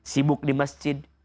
sibuk di masjid